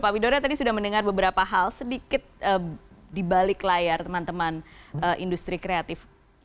pak widodo tadi sudah mendengar beberapa hal sedikit di balik layar teman teman industri kreatif